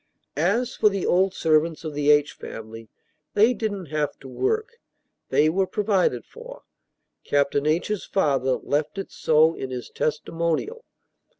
As for the old servants of the H. family, they didn't have to work, they were provided for; Captain H.'s father "left it so in his testimonial."